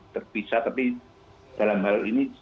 terpisah tapi dalam hal ini